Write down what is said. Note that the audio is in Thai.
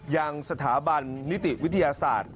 ยังสถาบันนิติวิทยาศาสตร์